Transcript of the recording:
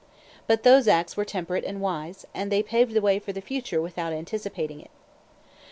But those acts were temperate and wise; and they paved the way for the future without anticipating it.